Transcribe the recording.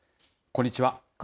こんにちは。